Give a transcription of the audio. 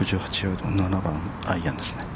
１６８、７番アイアンですね。